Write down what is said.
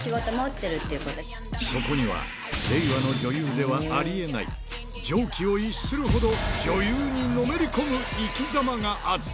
そこには令和の女優ではありえない、常軌を逸するほど女優にのめり込む生きざまがあった。